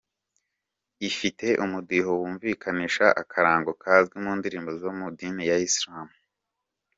Ifite umudiho wumvikanisha akarango kazwi mu ndirimbo zo mu idini ya Islam.